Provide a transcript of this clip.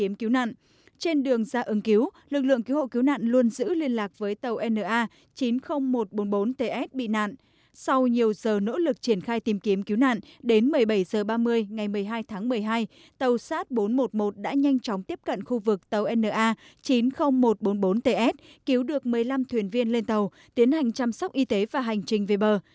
lực lượng cứu hộ cứu nạn luôn giữ liên lạc với tàu na chín mươi nghìn một trăm bốn mươi bốn ts bị nạn sau nhiều giờ nỗ lực triển khai tìm kiếm cứu nạn đến một mươi bảy h ba mươi ngày một mươi hai tháng một mươi hai tàu sát bốn trăm một mươi một đã nhanh chóng tiếp cận khu vực tàu na chín mươi nghìn một trăm bốn mươi bốn ts cứu được một mươi năm thuyền viên lên tàu tiến hành chăm sóc y tế và hành trình về bờ